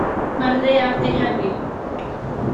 Mae'r ddaear 'di rhewi.